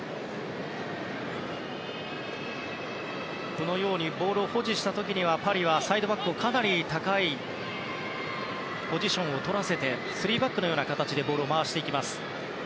このようにボールを保持した時にはパリはサイドバックに、かなり高いポジションを取らせて３バックのような形でボールを回します。